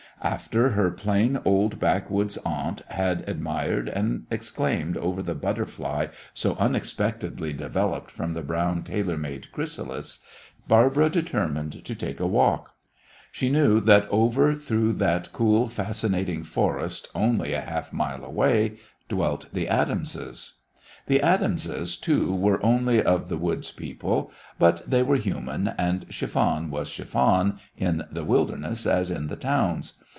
After her plain old backwoods aunt had admired and exclaimed over the butterfly so unexpectedly developed from the brown tailor made chrysalis, Barbara determined to take a walk. She knew that over through that cool, fascinating forest, only a half mile away, dwelt the Adamses. The Adamses, too, were only of the woods people, but they were human, and chiffon was chiffon, in the wilderness as in the towns.